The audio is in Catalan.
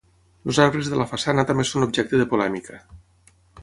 Els arbres de la façana també són objecte de polèmica.